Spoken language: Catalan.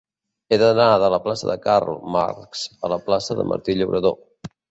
He d'anar de la plaça de Karl Marx a la plaça de Martí Llauradó.